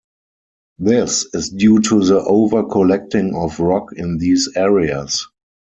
This is due to the over-collecting of rock in these areas.